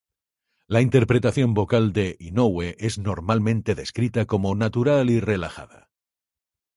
La interpretación vocal de Inoue es normalmente descrita como natural y relajada.